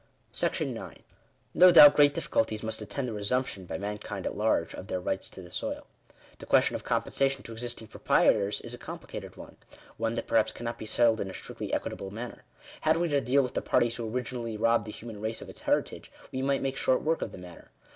§9. No doubt great difficulties must attend the resumption, by mankind at large, of their rights to the soil. The question of compensation to existing proprietors is a complicated one — one that perhaps cannot be settled in a strictly equitable manner. Digitized by VjOOQIC 124 THE RIGHT TO THE USE OF THE EARTH. Had we to deal with the parties who originally robbed the hu man race of its heritage, we might make short work of the matter.